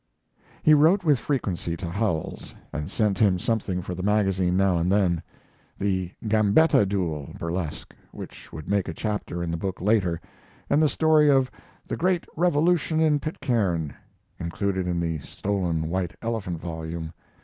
He wrote with frequency to Howells, and sent him something for the magazine now and then: the "Gambetta Duel" burlesque, which would make a chapter in the book later, and the story of "The Great Revolution in Pitcairn." [Included in The Stolen White Elephant volume.